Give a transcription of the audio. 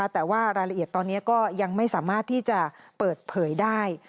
แต่ว่ารายละเอียดตอนนี้ก็ยังไม่สามารถที่จะเปิดเผยได้